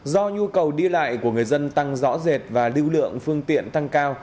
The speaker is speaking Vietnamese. do nhu cầu đi lại của người dân tăng rõ rệt và lưu lượng phương tiện tăng cao